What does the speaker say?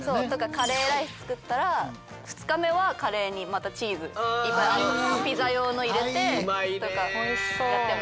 カレーライス作ったら２日目はカレーにまたチーズいっぱいピザ用の入れてとかやってますね。